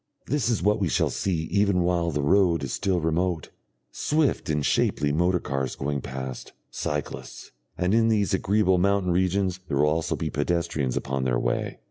This is what we shall see even while the road is still remote, swift and shapely motor cars going past, cyclists, and in these agreeable mountain regions there will also be pedestrians upon their way.